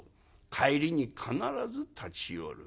帰りに必ず立ち寄る。